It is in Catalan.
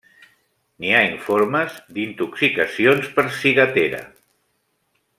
N'hi ha informes d'intoxicacions per ciguatera.